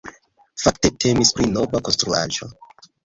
Fakte temis pri nova konstruaĵo.